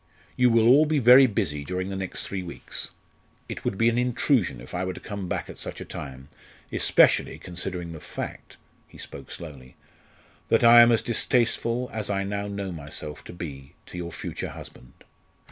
You will all be very busy during the next three weeks. It would be an intrusion if I were to come back at such a time especially considering the fact" he spoke slowly "that I am as distasteful as I now know myself to be, to your future husband.